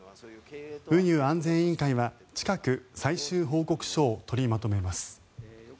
運輸安全委員会は近く最終報告書を取りまとめます。